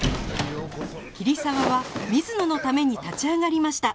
桐沢は水野のために立ち上がりました